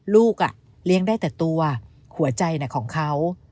ลูกเลี้ยงได้แต่ตัวหัวใจของเขา